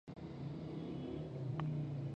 د پوهانو نظریات دې خپاره سي.